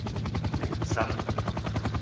電杉